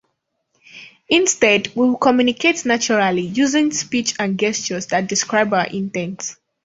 Instead, we'll communicate naturally, using speech and gestures that describe our intent...